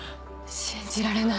信じられない。